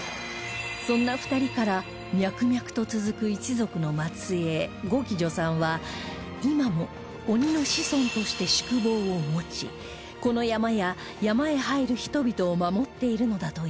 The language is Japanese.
そんな２人から脈々と続く一族の末裔五鬼助さんは今も鬼の子孫として宿坊を持ちこの山や山へ入る人々を守っているのだといいます